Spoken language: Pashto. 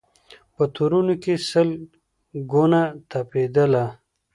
په تورونو کي سل ګونه تپېدله